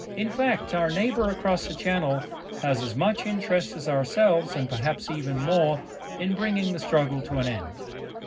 In fact, our neighbor across the Channel has as much interest as ourselves, and perhaps even more, in bringing the struggle to an end.